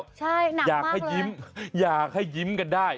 ใช่นะอยากให้ยิ้มอยากให้ยิ้มกันได้